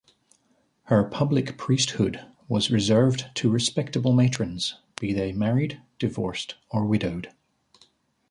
Her public priesthood was reserved to respectable matrons, be they married, divorced or widowed.